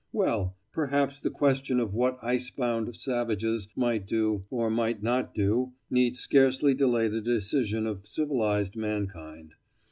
Well, perhaps the question of what ice bound savages might do, or might not do, need scarcely delay the decision of civilised mankind.